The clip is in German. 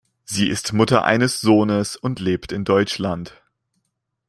Sie ist Mutter eines Sohnes und lebt in Deutschland.